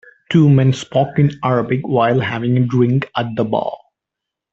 Two men spoke in Arabic while having a drink at the bar.